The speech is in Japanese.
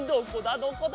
どこだ？